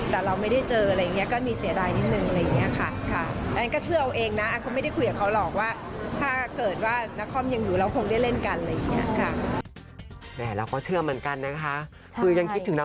แต่เราไม่ได้เจออะไรอย่างนี้ก็มีเสียดายนิดนึงอะไรอย่างนี้ค่ะ